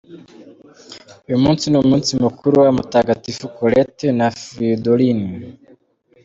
Uyu munsi ni umunsi mukuru wa Mutagatifu Colette, na Fridolin.